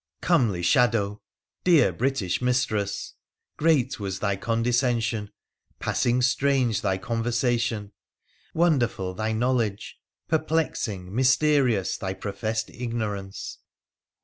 Comely shadow ! Dear British mistress ! Great was thy condescension, passing strange thy conversation, wonderful thy knowledge, perplexing, mysterious thy professed igno rance